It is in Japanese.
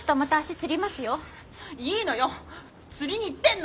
つりに行ってんの！